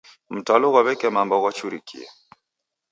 Mtalo ghwa w'eke mamba ghwachurikie.